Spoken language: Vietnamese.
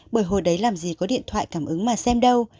bởi hồi đấy làm gì có điện thoại cảm ứng mà xem đâu